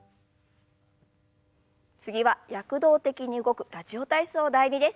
次は躍動的に動く「ラジオ体操第２」です。